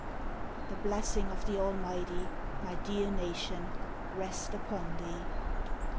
The blessing of the Almighty, my dear nation, rest upon thee.